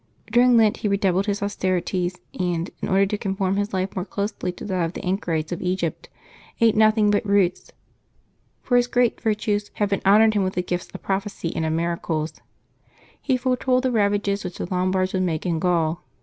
During Lent he redoubled his austerities, and, in order to conform his life more Mat 22] LIVES OF THE SAINTS 187 closelj to that of the anchorites of Eg}^pt, ate nothing but roots. For his great virtues Heaven honored him with the gifts of prophecy and of miracles. He foretold the ravages which the Lombards would make in Gaul.